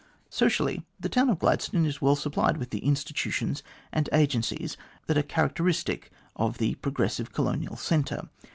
Socially, the town of Gladstone is well supplied with the institutions and agencies that are characteristic of the pro gressive colonial centre.